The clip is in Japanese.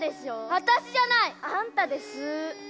私じゃない！あんたです。